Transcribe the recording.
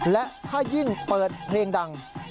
และถ้ายิ่งเปิดเพลงดัง